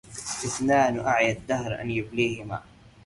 إثنان أعيا الدهر أن يبليهما